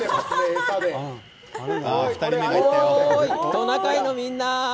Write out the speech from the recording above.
トナカイのみんな。